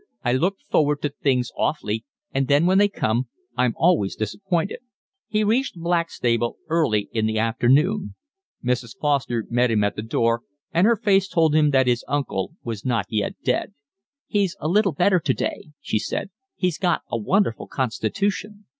"I look forward to things awfully, and then when they come I'm always disappointed." He reached Blackstable early in the afternoon. Mrs. Foster met him at the door, and her face told him that his uncle was not yet dead. "He's a little better today," she said. "He's got a wonderful constitution."